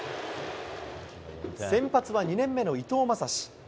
先発は２年目の伊藤将司。